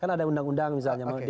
kan ada undang undang misalnya